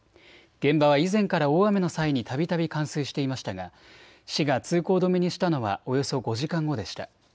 現場は以前から大雨の際にたびたび冠水していましたが市が通行止めにしたのはおよそ５時間後でした。